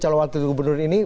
calon wakil gubernur ini